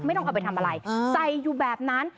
ไม่ต้องเอาไปทำอะไรใส่อยู่แบบนั้น